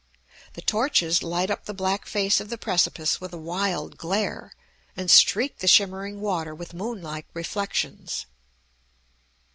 The torches light up the black face of the precipice with a wild glare, and streak the shimmering water with moon like reflections.